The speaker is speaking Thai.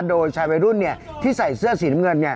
โดยชายวัยรุ่นที่ใส่เสื้อสีน้ำเงิน